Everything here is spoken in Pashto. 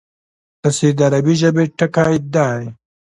تصحیح د عربي ژبي ټکی دﺉ.